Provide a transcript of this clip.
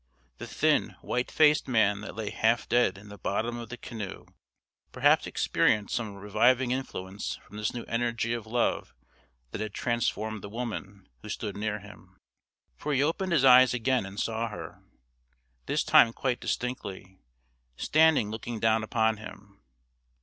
The thin white faced man that lay half dead in the bottom of the canoe perhaps experienced some reviving influence from this new energy of love that had transformed the woman who stood near him, for he opened his eyes again and saw her, this time quite distinctly, standing looking down upon him.